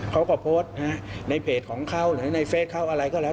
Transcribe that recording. เขาก็โพสต์ในเพจของเขาหรือในเฟสเขาอะไรก็แล้ว